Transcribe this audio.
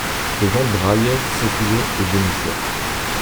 Ces gens braillaient, s'accusaient et gémissaient.